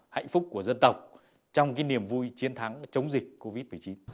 hạnh phúc của dân tộc trong cái niềm vui chiến thắng chống dịch covid một mươi chín